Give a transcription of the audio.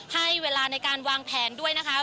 ให้เวลาในการวางแผนด้วยนะคะ